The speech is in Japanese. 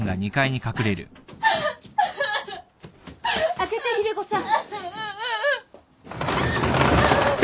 ・開けて秀子さん。